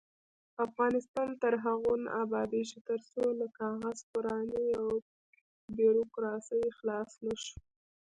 افغانستان تر هغو نه ابادیږي، ترڅو له کاغذ پرانۍ او بیروکراسۍ خلاص نشو.